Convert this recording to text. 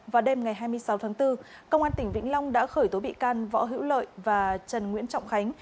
vào đêm ngày hai mươi sáu tháng bốn công an tỉnh vĩnh long đã khởi tố bị can võ hữu lợi và trần nguyễn trọng khánh